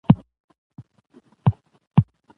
تعلیق د عربي ژبي ټکی دﺉ.